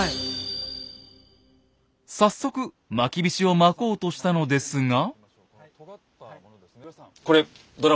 早速まきびしをまこうとしたのですが。